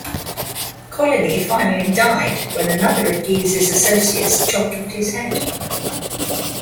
Coligny finally died when another of Guise's associates chopped off his head.